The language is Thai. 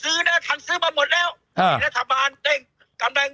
ถ้ายังงั้นถ้าอยู่แบบนี้รัฐบาลแจ๊งแน่นอน